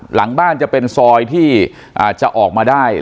หลังบ้านจะเป็นซอยที่จะออกมาได้